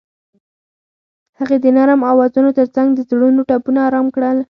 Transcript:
هغې د نرم اوازونو ترڅنګ د زړونو ټپونه آرام کړل.